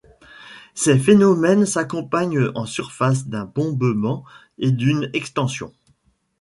Ces phénomènes s'accompagnent en surface d'un bombement et d'une extension.